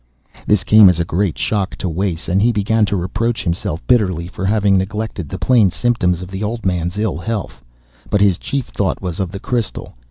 This came as a great shock to Wace, and he began to reproach himself bitterly for having neglected the plain symptoms of the old man's ill health. But his chief thought was of the crystal.